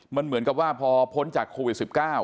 มันเหมือนกับว่าพอพ้นจากโควิด๑๙